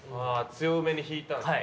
強めに弾いたんすね。